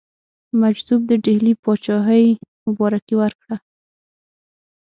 مجذوب د ډهلي پاچهي مبارکي ورکړه.